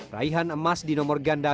raihan emas di nomor ganda